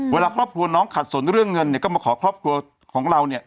เวลาครอบครัวน้องขัดสนเรื่องเงินเนี่ยก็มาขอครอบครัวของเราเนี่ย